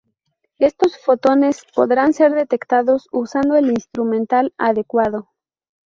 Estos fotones podrán ser detectados usando el instrumental adecuado.